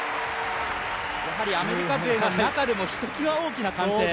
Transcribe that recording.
アメリカ勢の中でもひときわ大きな歓声。